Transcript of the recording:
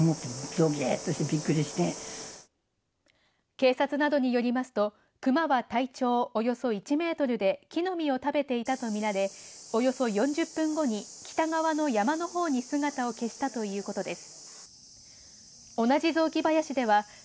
警察などによりますとクマは体長およそ１ｍで木の実を食べていたとみられおよそ４０分後に北側の山のほうに姿を消したということです。